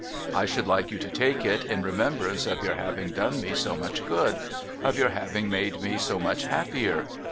I should like you to take it, in remembrance of your having done me so much good : of your having made me so much happier